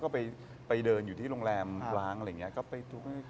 ก็ไปเดินอยู่ที่โรงแรมล้างอะไรอย่างนี้